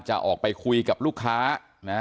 จะออกไปคุยกับลูกค้านะ